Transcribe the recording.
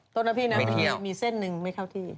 โทษนะพี่นะบางทีมีเส้นหนึ่งไม่เข้าที่